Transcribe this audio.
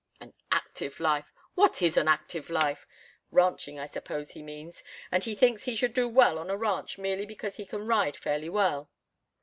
An active life! What is an active life? Ranching, I suppose he means, and he thinks he should do well on a ranch merely because he can ride fairly well.